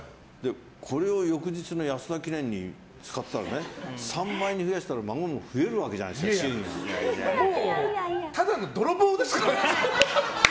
これを翌日の安田記念に使ったら３倍に増やしたら孫も増えるわけじゃないですかただの泥棒ですからね。